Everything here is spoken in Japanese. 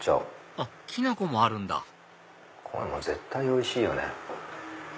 あっきな粉もあるんだこれも絶対おいしいよね。